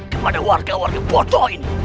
kepada warga warga bodoh ini